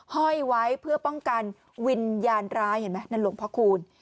ห้อยไว้เพื่อป้องกันวิญญาณร้ายเห็นไหมนั่นหลวงพระคูณ